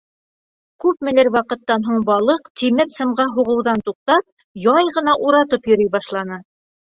Күпмелер ваҡыттан һуң балыҡ, тимер сымға һуғыуҙан туҡтап, яй ғына уратып йөрөй башланы.